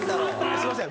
すいません。